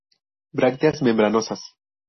Brácteas membranosas.